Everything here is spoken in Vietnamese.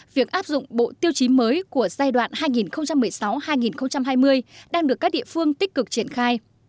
việc áp dụng bộ tiêu chí mới của giai đoạn hai nghìn một mươi sáu hai nghìn hai mươi đang được các địa phương tích cực triển khai